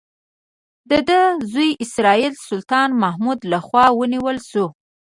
د ده زوی اسراییل د سلطان محمود لخوا ونیول شو.